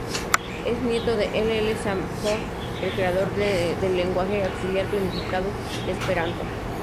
Es nieto de L. L. Zamenhof, el creador del lenguaje auxiliar planificado Esperanto.